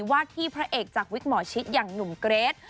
ว่าที่พระเอกจากวิกหมอชิตอย่างหนุ่มเกรท